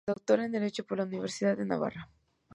Doctor en Derecho por la Universidad de Navarra.